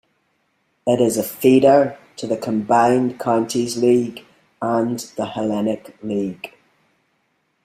It is a feeder to the Combined Counties League and the Hellenic League.